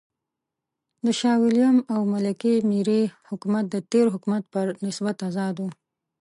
د شاه وېلیم او ملکې مېري حکومت د تېر حکومت پر نسبت آزاد و.